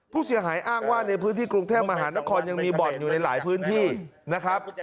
ผู้เสียหายอ้างว่าในพื้นที่กรุงเทพมหานครยังมีบ่อนอยู่ในหลายพื้นที่นะครับ